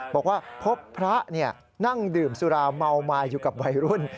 บอกว่าพบพระนั่งดื่มสุราเมาไม้อยู่กับวัยรุ่น